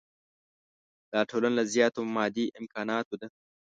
دا ټولنه له زیاتو مادي امکاناتو ده.